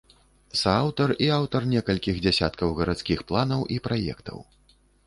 Сааўтар і аўтар некалькіх дзесяткаў гарадскіх планаў і праектаў.